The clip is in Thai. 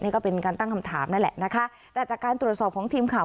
นี่ก็เป็นการตั้งคำถามนั่นแหละนะคะแต่จากการตรวจสอบของทีมข่าว